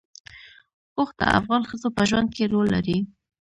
اوښ د افغان ښځو په ژوند کې رول لري.